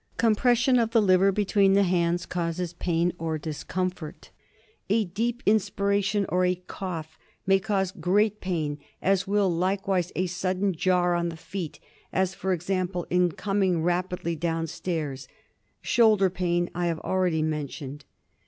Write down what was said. Compression of the liver between the hands causes pain or discomfort. A deep inspiration or a cough may cause great pain ; as will likewise a sudden jar on the feet as, for example, in coming rapidly down stairs. Shoulder pain I have already mentioned.